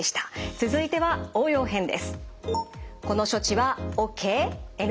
続いては応用編です。